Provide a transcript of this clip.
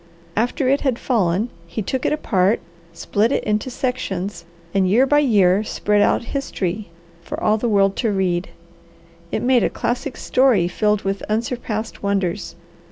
After it had fallen he took it apart, split it in sections, and year by year spread out history for all the world to read. It made a classic story filled with unsurpassed wonders.